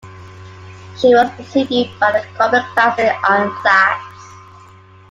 She was preceded by the Colbert-class ironclads.